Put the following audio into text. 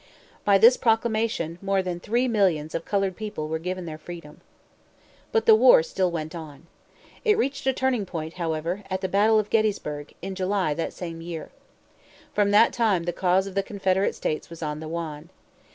By this proclamation, more than three millions of colored people were given their freedom. But the war still went on. It reached a turning point, however, at the battle of Gettysburg, in July, that same year. From that time the cause of the Confederate States was on the wane.